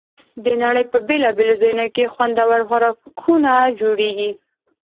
د نړۍ په بېلابېلو ځایونو کې خوندور خوراکونه جوړېږي.